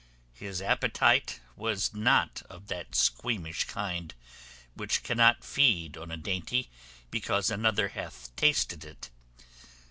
His appetite was not of that squeamish kind which cannot feed on a dainty because another hath tasted it.